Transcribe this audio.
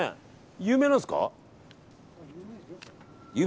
有名なんですか。